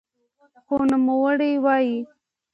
خو نوموړی وايي